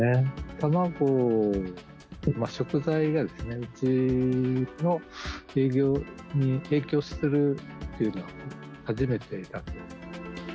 卵、食材がうちの営業に影響するというのは初めてだと思います。